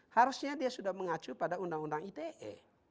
harusnya dia sudah mengacu pada undang undang ite